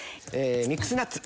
ミックスナッツ。